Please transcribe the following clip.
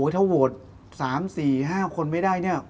ถ้าโหวต๓๔๕คนไม่ได้